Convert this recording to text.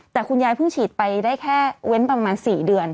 แต่คุณยายเพิ่งฉีดไปได้แค่เว้นประมาณ๔เดือน